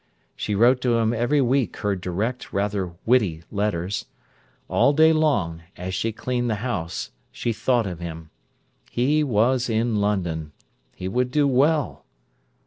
She wrote to him every week her direct, rather witty letters. All day long, as she cleaned the house, she thought of him. He was in London: he would do well.